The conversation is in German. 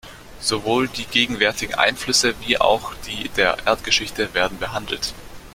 Sowohl die gegenwärtigen Einflüsse wie auch die der Erdgeschichte werden behandelt.